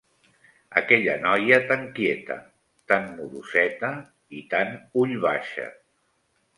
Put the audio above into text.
Aquella noia tant quieta, tant modoseta i tant ull-baixa